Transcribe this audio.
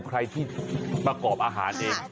ใครที่ประกอบอาหารเอง